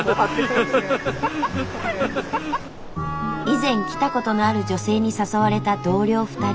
以前来たことのある女性に誘われた同僚２人。